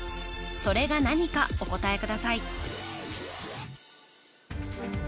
それが何かお答えください